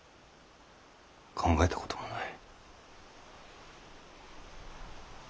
考えたこともない。